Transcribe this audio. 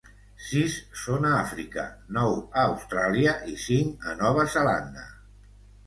Sis són a Àfrica, nou a Austràlia i cinc a Nova Zelanda.